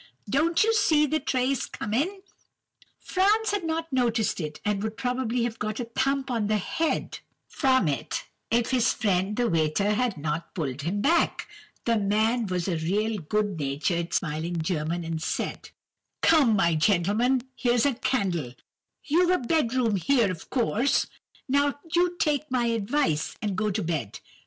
don't you see the tray coming?' "Franz had not noticed it, and would probably have got a thump on the head from it, if his friend the waiter had not pulled him back. The man was a real good natured, smiling German, and said:— "'Come, young gentleman, here's a candle;—you've a bed room here, of course. Now, you take my advice, and go to bed.